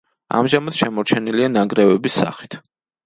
ამჟამად შემორჩენილია ნანგრევების სახით.